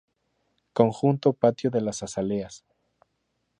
Conjunto Patio de las Azaleas.